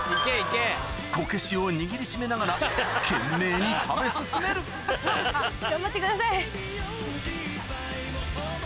こけしを握り締めながら懸命に食べ進める頑張ってください。